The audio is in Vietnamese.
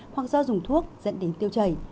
hoặc do dùng thuốc dẫn đến tiêu chảy